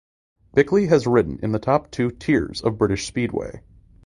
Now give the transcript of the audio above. Bickley has ridden in the top two tiers of British Speedway.